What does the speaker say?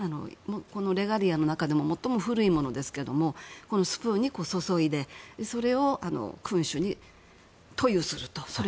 レガリアの中で最も古いものですけれどもスプーンに注いでそれを君主に塗油すると。